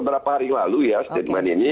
beberapa hari lalu ya statement ini